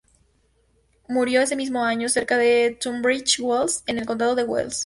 Murió ese mismo año cerca de Tunbridge Wells, en el Condado de Wells.